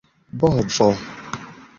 bovo